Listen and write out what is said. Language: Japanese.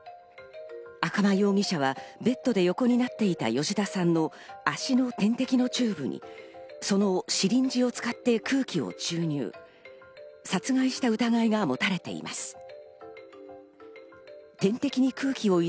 赤間容疑者はベッドで横になっていた吉田さんの足の点滴のチューブにそのシリンジを使って空気を注入。